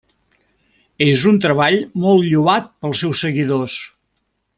És un treball molt lloat pels seus seguidors.